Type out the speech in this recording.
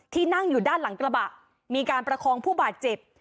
นั่งอยู่ด้านหลังกระบะมีการประคองผู้บาดเจ็บ